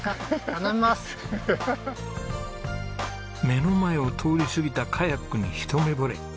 目の前を通り過ぎたカヤックにひと目惚れ。